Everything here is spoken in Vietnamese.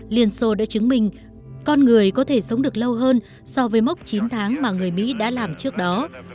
liên xô đã chứng minh con người có thể sống được lâu hơn so với mốc chín tháng mà người mỹ đã làm trước đó